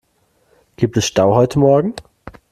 Gibt es Stau heute morgen?